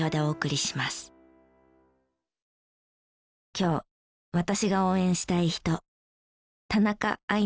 今日私が応援したい人。